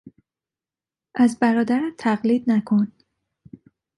از برادرت تقلید نکن!